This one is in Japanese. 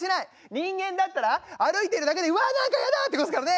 人間だったら歩いてるだけで「うわ何かやだ！」ってことですからね。